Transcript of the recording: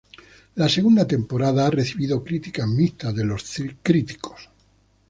La segunda temporada ha recibido críticas mixtas de los críticos.